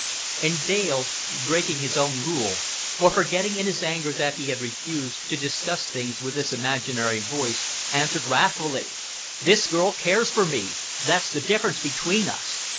And Dale, breaking his own rule, or forgetting in his anger that he had refused to discuss things with this imaginary voice, answered wrathfully. "This girl cares for me that's the difference between us.